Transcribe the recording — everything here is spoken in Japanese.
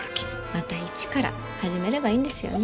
また一から始めればいいんですよね。